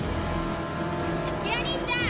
ギラ兄ちゃん！